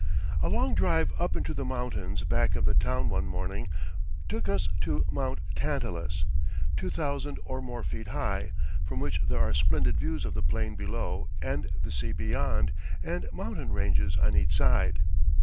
A long drive up into the mountains back of the town one morning, took us to Mt. Tantalus, two thousand or more feet high, from which there are splendid views of the plain below and the sea beyond and mountain ranges on each side.